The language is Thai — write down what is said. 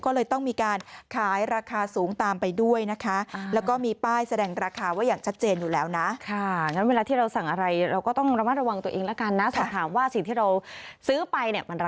ก็เลยต้องมีการขายราคาสูงตามไปด้วยนะคะ